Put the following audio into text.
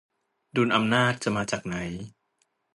ดุลอำนาจจะมาจากไหน?